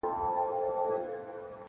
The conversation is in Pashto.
د چا عقل چي انسان غوندي پر لار وي -